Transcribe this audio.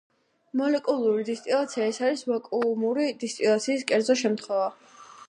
მოლეკულური დისტილაცია ეს არის ვაკუუმური დისტილაციის კერძო შემთხვევა.